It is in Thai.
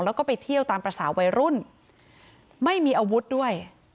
แล้วก็ไปเที่ยวตามภาษาวัยรุ่นไม่มีอาวุธด้วย